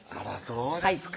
そうですか